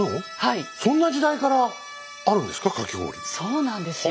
そうなんですよ。